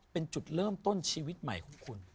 เป็นจุดเริ่มต้นชีวิตใหม่ของคุณ